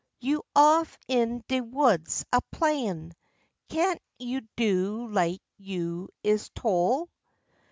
You off in de woods a playin'. Can't you do like you is tole?